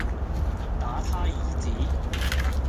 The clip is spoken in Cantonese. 打他兒子，